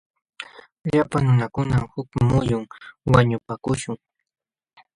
Llapa nunakunam huk muyun wañupaakuśhun.